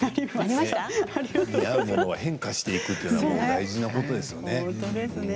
似合うものは変化していくというのはもう大事なことですよね。